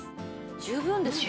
十分ですね。